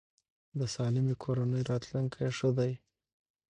د سالمې کورنۍ راتلونکی ښه دی.